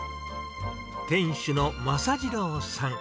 店主の政次郎さん。